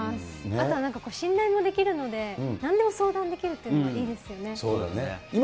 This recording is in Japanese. あとはなんか、信頼もできるので、なんでも相談できるっていいですそうだね。